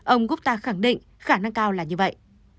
ông gutta khẳng định khả năng cao là như vậy